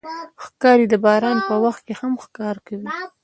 ښکاري د باران په وخت کې هم ښکار کوي.